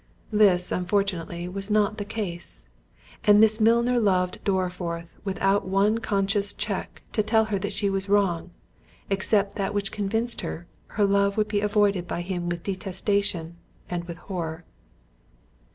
This, unfortunately, was not the case; and Miss Milner loved Dorriforth without one conscious check to tell her she was wrong, except that which convinced her—her love would be avoided by him with detestation, and with horror.